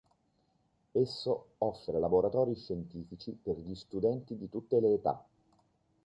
Esso offre laboratori scientifici per gli studenti di tutte le età.